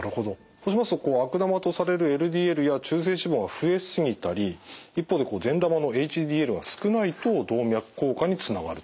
そうしますと悪玉とされるＬＤＬや中性脂肪が増え過ぎたり一方で善玉のＨＤＬが少ないと動脈硬化につながると。